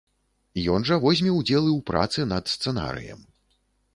Ён жа возьме удзел і ў працы над сцэнарыем.